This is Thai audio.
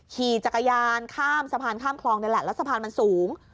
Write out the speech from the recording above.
ขี่จักรยานข้ามสะพานข้ามคลองนี่แหละแล้วสะพานมันสูง